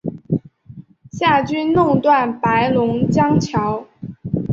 夏军弄断白龙江桥。